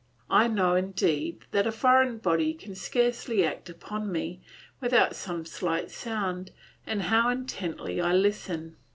I know, indeed, that a foreign body can scarcely act upon me without some slight sound, and how intently I listen!